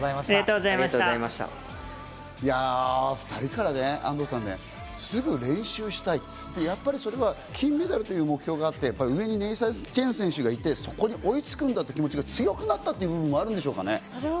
２人からすぐ練習したい、金メダルという目標があって、上にネイサン・チェン選手がいて、そこに追いつくんだという気持ちが強くなったという部分もあるんでしょうかね。